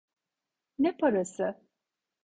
Ne parası?